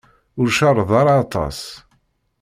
Ur cerreḍ ara aṭas.